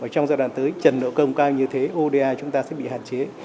trong giai đoạn tới trần nợ công cao như thế oda chúng ta sẽ bị hạn chế